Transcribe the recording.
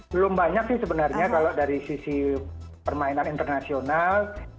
belum banyak sih sebenarnya kalau dari sisi permainan internasional